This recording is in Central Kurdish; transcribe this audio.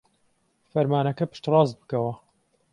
فەرمانەکە پشتڕاست بکەوە.